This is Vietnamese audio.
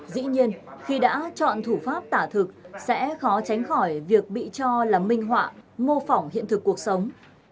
dĩ nhiên khi đã chọn thủ pháp tả thực sẽ khó tránh khỏi việc bị cho là minh họa mô phỏng hiện thực cuộc sống